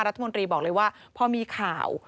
รัฐมนตรีบอกเลยว่าพอมีข่าว